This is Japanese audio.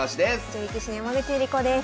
女流棋士の山口恵梨子です。